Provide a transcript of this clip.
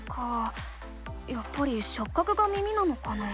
やっぱりしょっ角が耳なのかな？